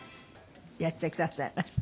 いらしてくださいました。